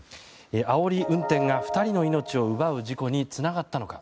あおり運転が２人の命を奪う事故につながったのか。